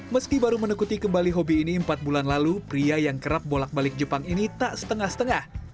meski baru menekuti kembali hobi ini empat bulan lalu pria yang kerap bolak balik jepang ini tak setengah setengah